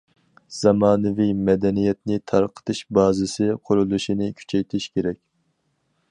زامانىۋى مەدەنىيەتنى تارقىتىش بازىسى قۇرۇلۇشىنى كۈچەيتىش كېرەك.